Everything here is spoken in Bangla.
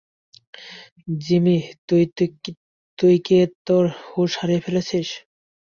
জিমি তুই- তুই কি তোর হুশ হারিয়ে ফেলেছিস?